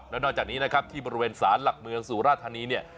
แล้วนอกจากนี้นะครับที่บริเวณสารหลักเมืองสุราธานีเนี่ย